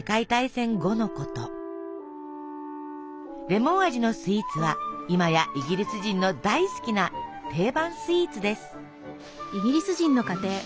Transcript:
レモン味のスイーツは今やイギリス人の大好きな定番スイーツです。